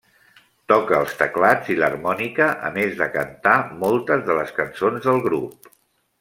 Toca els teclats i l'harmònica a més de cantar moltes de les cançons del grup.